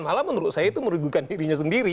malah menurut saya itu merugikan dirinya sendiri